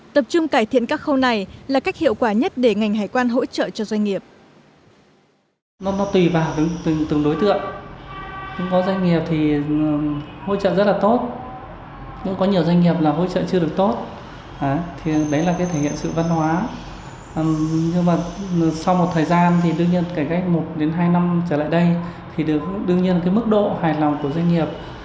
tập trung cải thiện các khâu này là cách hiệu quả nhất để ngành hải quan hỗ trợ cho doanh nghiệp